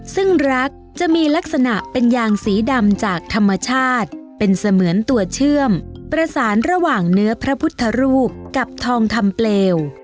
ซึ่งรักจะมีลักษณะเป็นยางสีดำจากธรรมชาติเป็นเสมือนตัวเชื่อมประสานระหว่างเนื้อพระพุทธรูปกับทองคำเปลว